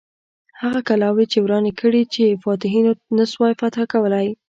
هغه کلاوې یې ورانې کړې چې فاتحینو نه سوای فتح کولای.